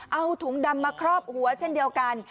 เอาถุงดำมาครอบหัวเช่นเดียวกัน